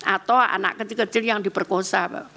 atau anak kecil kecil yang diperkosa